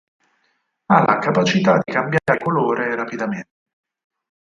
Ha la capacità di cambiare colore rapidamente.